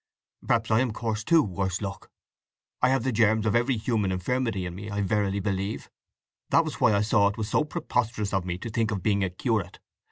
"Perhaps I am coarse too, worse luck! I have the germs of every human infirmity in me, I verily believe—that was why I saw it was so preposterous of me to think of being a curate.